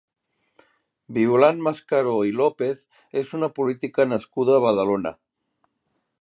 Violant Mascaró i López és una política nascuda a Badalona.